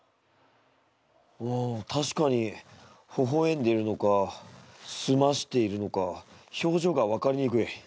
うんたしかにほほえんでいるのかすましているのか表情がわかりにくい。